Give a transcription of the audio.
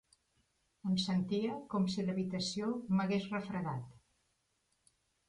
Em sentia com si l'habitació m'hagués refredat.